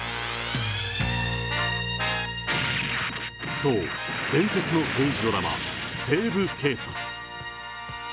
そう、伝説の刑事ドラマ、西部警察。